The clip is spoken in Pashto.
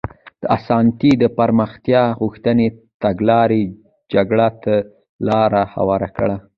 د اسانتي د پراختیا غوښتنې تګلارې جګړو ته لار هواره کړه.